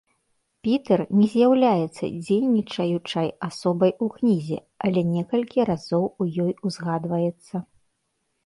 Пітэр не з'яўляецца дзейнічаючай асобай у кнізе, але некалькі разоў у ёй узгадваецца.